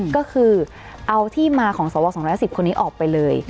ก็คือเอาที่มาของสว๒๑๐คนนี้ออกไปเลย